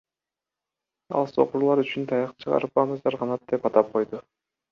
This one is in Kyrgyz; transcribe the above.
Ал сокурлар үчүн таяк чыгарып, аны Жарганат деп атап койду.